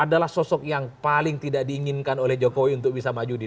pak adalah sosok yang paling tidak diinginkan oleh jokowi untuk bisa maju di dua ribu dua puluh empat